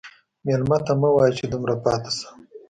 مېلمه ته مه وایه چې دومره پاتې شه.